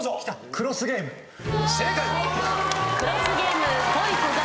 『クロスゲーム』正解。